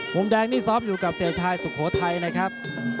มุมแดงนี่ซอฟต์อยู่กับเศรษฐ์ชายสุโขทัยนะครับ